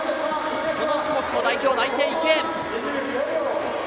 この種目も代表内定、池江。